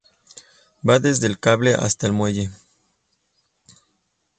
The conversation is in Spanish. Va desde el cable hasta el muelle.